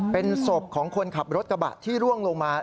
เป็นศพของคนขับรถกระบะที่ร่วงลงมา